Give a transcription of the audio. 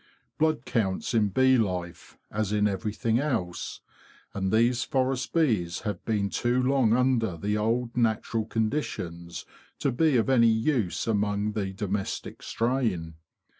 Blood counts in bee life, as in everything else; and these forest bees have been too long under the old natural conditions to be of any use among the domestic strain.